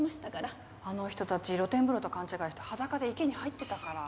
あの人たち露天風呂と勘違いして裸で池に入ってたから。